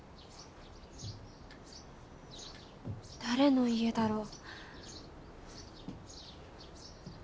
誰の家だろう？